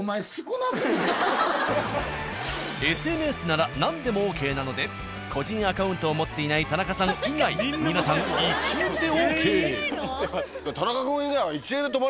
ＳＮＳなら何でもＯＫなので個人アカウントを持っていない田中さん以外皆さん１円でＯＫ！